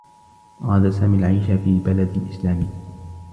أراد سامي العيش في بلد إسلامي.